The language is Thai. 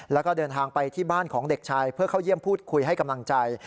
แล้วก็เดินทางไปที่บ้านของเด็กชายเพื่อเข้าเยี่ยมพูดคุยให้กำลังใจ